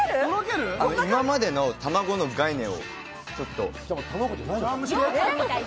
今までの玉子の概念をちょっと。